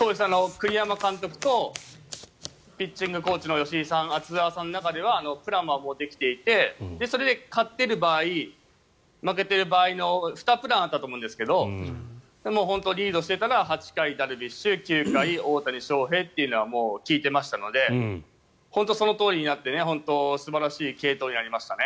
栗山監督とピッチングコーチの吉井さん、厚澤さんの中ではプランはもうできていてそれで勝っている場合負けてる場合の２プランあったと思うんですが本当、リードしていたら８回、ダルビッシュ９回、大谷翔平というのは聞いていましたので本当にそのとおりになって素晴らしい継投になりましたね。